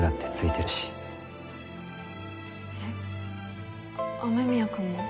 えっ雨宮くんも？